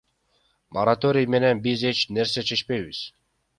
Мораторий менен биз эч нерсе чечпейбиз.